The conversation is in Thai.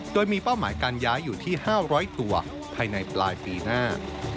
โดยมีเป้าหมายการย้ายอยู่ที่๕๐๐ตัวภายในปลายปีหน้า